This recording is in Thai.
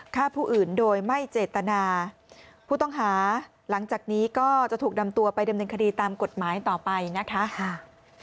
ฆ่าผู้อื่นโดยไม่เจตนาผู้ต้องหาหลังจากนี้ก็จะถูกนำตัวไปดำเนินคดีตามกฎหมายต่อไปนะคะ